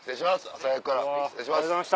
朝早くから失礼します。